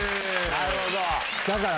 なるほど！